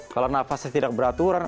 kalau nafasnya tidak beraturan